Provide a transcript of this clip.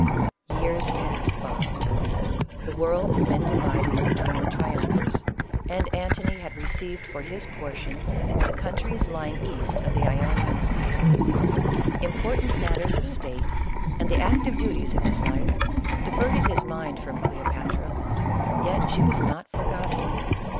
Years passed by. The world had been divided be tween the triumvirs, and Antony had received for his CLEOPATRA. 43 portion the countries lying east of the Ionian sea. Im portant matters of state, and the active duties of his life, diverted his mind from Cleopatra, yet she was not forgotten.